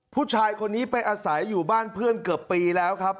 ผู้ชายคนนี้ไปอาศัยอยู่บ้านเพื่อนเกือบปีแล้วครับ